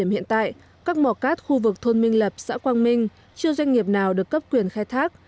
hiện tại các mỏ cát khu vực thôn minh lập xã quang minh chưa doanh nghiệp nào được cấp quyền khai thác